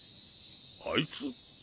あいつ？